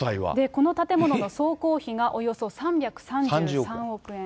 この建物の総工費がおよそ３３３億円。